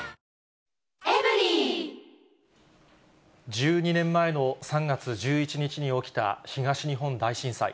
１２年前の３月１１日に起きた東日本大震災。